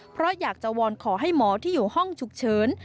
เพราะอยากจะวอนขอให้หมอที่อยู่ห้องฉุกเฉิน